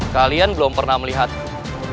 kalian belum pernah melihatku